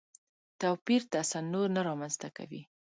توپیر تصنع نه رامنځته کوي.